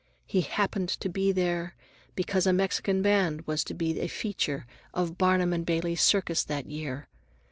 He happened to be there because a Mexican band was to be a feature of Barnum and Bailey's circus that year.